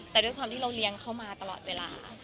แต่ด้วยความที่เราเลี้ยงเขามาตลอดเวลา